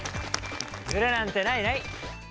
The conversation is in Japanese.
ズレなんてないない！